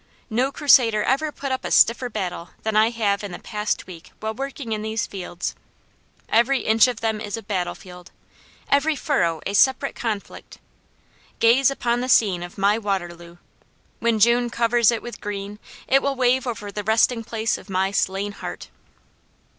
No Crusader ever put up a stiffer battle than I have in the past week while working in these fields. Every inch of them is battlefield, every furrow a separate conflict. Gaze upon the scene of my Waterloo! When June covers it with green, it will wave over the resting place of my slain heart!"